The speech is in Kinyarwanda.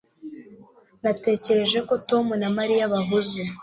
Natekereje ko Tom na Mariya bahuze